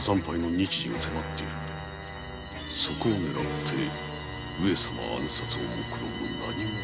そこをねらって上様暗殺をもくろむ何者かが？